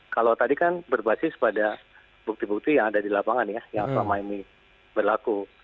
kalau tadi kan berbasis pada bukti bukti yang ada di lapangan ya yang selama ini berlaku